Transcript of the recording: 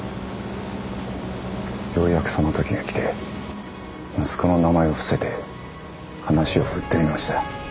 ようやくその時が来て息子の名前を伏せて話を振ってみました。